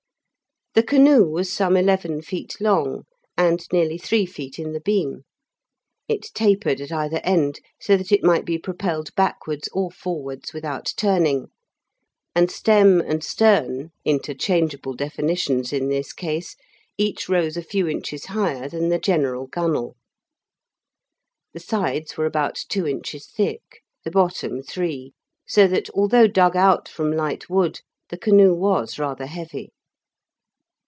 The canoe was some eleven feet long, and nearly three feet in the beam; it tapered at either end, so that it might be propelled backwards or forwards without turning, and stem and stern (interchangeable definitions in this case) each rose a few inches higher than the general gunwale. The sides were about two inches thick, the bottom three, so that although dug out from light wood the canoe was rather heavy.